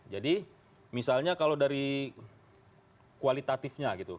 jadi misalnya kalau dari kualitatifnya gitu